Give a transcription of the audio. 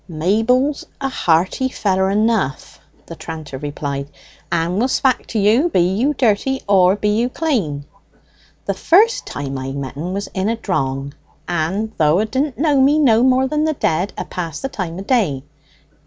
"Mayble's a hearty feller enough," the tranter replied, "and will spak to you be you dirty or be you clane. The first time I met en was in a drong, and though 'a didn't know me no more than the dead, 'a passed the time of day.